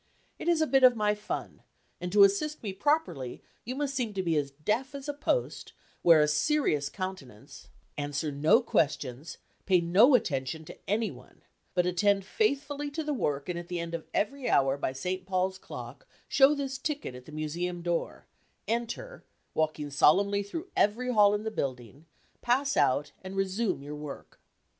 It is a bit of my fun, and to assist me properly you must seem to be as deaf as a post; wear a serious countenance; answer no questions; pay no attention to any one; but attend faithfully to the work and at the end of every hour by St. Paul's clock show this ticket at the Museum door; enter, walking solemnly through every hall in the building; pass out, and resumé your work."